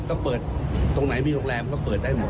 ก็เปิดตรงไหนมีโรงแรมก็เปิดได้หมด